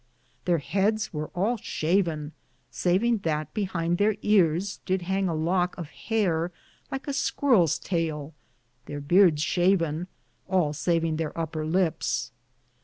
Theire heades wear all shaven, savinge that behinde Their ears did hange a locke of hare like a squirel's taile ; theire beardes shaven, all savinge theire uper lips.